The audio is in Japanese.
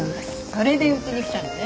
それでうちに来たのね。